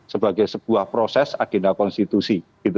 sebagai sebuah proses agenda konstitusi